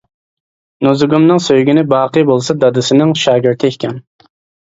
نۇزۇگۇمنىڭ سۆيگىنى باقى بولسا دادىسىنىڭ شاگىرتى ئىكەن.